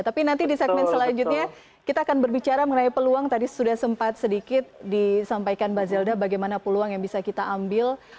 tapi nanti di segmen selanjutnya kita akan berbicara mengenai peluang tadi sudah sempat sedikit disampaikan mbak zelda bagaimana peluang yang bisa kita ambil